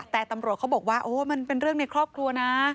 แต่ตำรวจเขาบอกว่าโอ้มันเป็นเรื่องในครอบครัวนะ